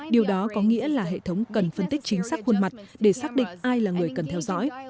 điều đó có nghĩa là hệ thống cần phân tích chính xác khuôn mặt để xác định ai là người cần theo dõi